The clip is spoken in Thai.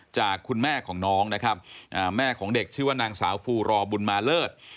จากคุณแม่ของน้องนะครับแม่ของเด็กชื่อว่านางสาวฟูรอบุญมาเลิศ